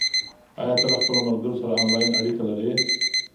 آیا ته له خپلو ملګرو سره آنلاین اړیکه لرې؟